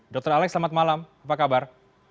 dr alex selamat malam apa kabar